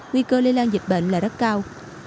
nguy cơ lây lan dịch bệnh là rất cao